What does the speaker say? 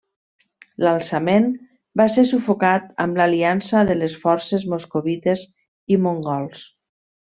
L'alçament va ser sufocat amb l'aliança de forces moscovites i mongols.